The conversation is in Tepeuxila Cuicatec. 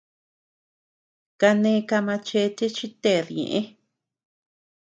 Kane ka machete chi ted ñeʼë.